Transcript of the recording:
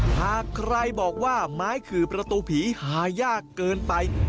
หากใครบอกว่าไม้ขื่อประตูผีหายากเกินไป